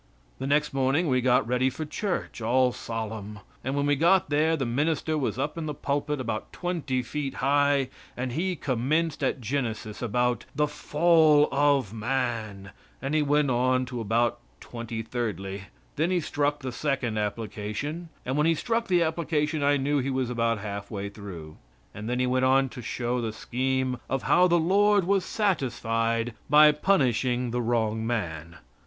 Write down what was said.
The next morning we got ready for church all solemn, and when we got there the minister was up in the pulpit, about twenty feet high, and he commenced at Genesis about "The fall of man," and he went on to about twenty thirdly; then he struck the second application, and when he struck the application I knew he was about half way through. And then he went on to show the scheme how the Lord was satisfied by punishing the wrong man.